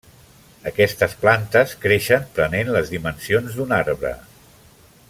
Aquestes plantes creixen prenent les dimensions d'un arbre.